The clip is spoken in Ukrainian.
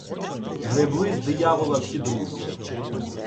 Гребли з диявола всі дружно.